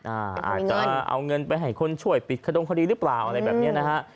อาจจะเอาเงินไปให้คนช่วยปิดขดงคดีหรือเปล่าอะไรแบบนี้นะฮะ